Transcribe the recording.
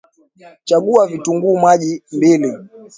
Chagua vitunguu maji mbili